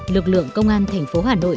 lực lượng công an thành phố hà nội nói